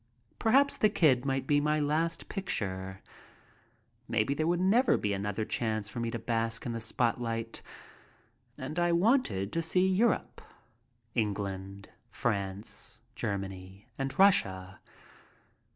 Perhaps "The Kid" might be my last picture. Maybe there would never be another chance for me to bask in the spotlight. And I wanted to see Europe — England, France, Germany, and Russia.